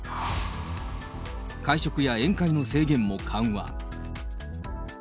会食や宴会の制限も緩和。